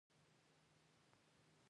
د سپند دانه د څه لپاره دود کړم؟